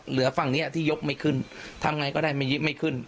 เหลือฝั่งเนี้ยที่ยกไม่ขึ้นทำไงก็ได้ไม่ไม่ขึ้น